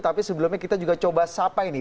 tapi sebelumnya kita juga coba sapa ini